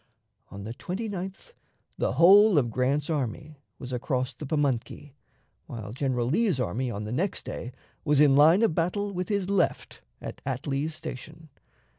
On the 29th the whole of Grant's army was across the Pamunkey, while General Lee's army on the next day was in line of battle with his left at Atlee's Station.